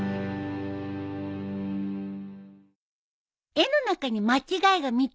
絵の中に間違いが３つあるよ。